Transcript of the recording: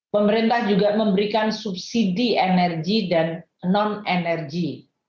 pemerintah juga memberikan subsidi energi dan non energi